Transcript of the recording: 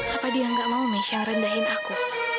apa dia nggak mau mesya ngerendahin aku